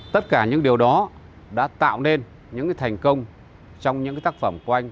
tất cả những điều đó đã tạo nên những thành công trong những tác phẩm của anh